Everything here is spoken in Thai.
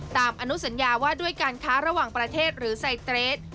อนุสัญญาว่าด้วยการค้าระหว่างประเทศหรือไซเตรส